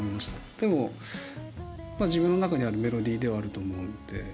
でも自分の中にあるメロディーではあると思うんで。